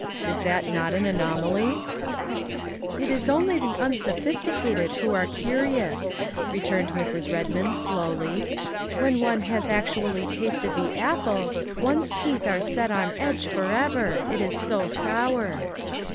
Is that not an anomaly ?'' "It is only the unsophisticated who are curious," returned Mrs. Redmond slowly. " When one has actually tasted the apple, one's teeth are set on edge forever it is so sour."